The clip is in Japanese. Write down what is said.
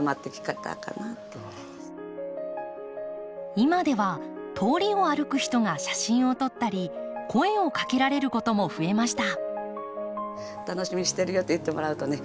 今では通りを歩く人が写真を撮ったり声をかけられることも増えました。